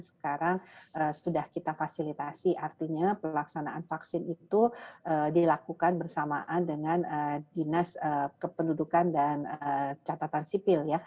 sekarang sudah kita fasilitasi artinya pelaksanaan vaksin itu dilakukan bersamaan dengan dinas kependudukan dan catatan sipil